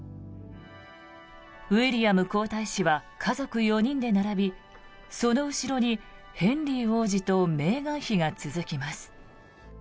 ウィリアム皇太子は家族４人で並びその後ろにヘンリー王子とメーガン妃が続きます。